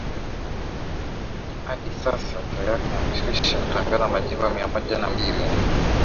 adi sasa tayari yameshakwisha kutangaza majimbo mia moja na mbili